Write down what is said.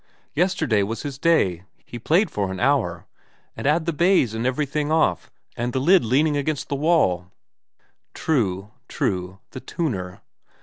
Yesterday was his day. He played for a hour. And 'ad the baize and everything off, and the lid leaning against the wall.' True. True. The tuner.